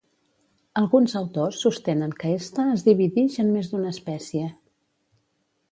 Alguns autors sostenen que esta es dividix en més d'una espècie.